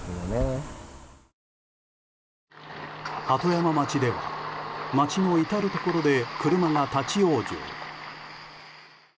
鳩山町では町の至るところで車が立ち往生。